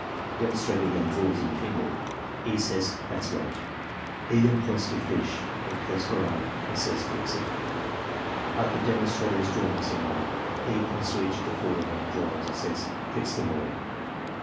Demonstrator then draws in finger. E. says, "That's right." E. then points to fish and place for eye and says, "Fix it." After demonstrator has drawn missing eye. E. points to each of the four remaining drawings and says, "Fix them all."